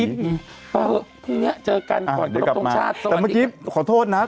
พร้อมพรุ่งนี้เจอกันก่อนกระตุกตรงชาติสวัสดีค่ะอ่าเดี๋ยวกลับมาแต่เมื่อกี้ขอโทษนะ